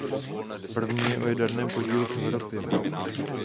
První je o jaderném podílu v Evropě.